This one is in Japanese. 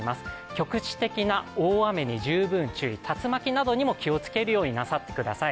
局地的な大雨に十分注意、竜巻などにも気をつけるようになさってください。